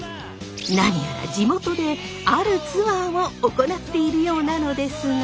何やら地元であるツアーを行っているようなのですが。